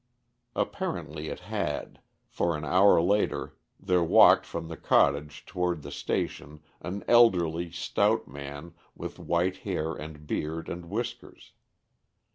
Apparently it had, for an hour later there walked from the cottage toward the station an elderly, stout man, with white hair and beard and whiskers.